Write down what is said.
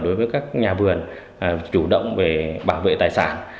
đường commune bà hissant